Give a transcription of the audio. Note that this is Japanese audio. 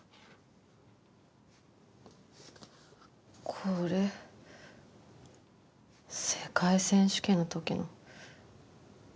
これ、世界選手権のときの。